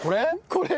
これ。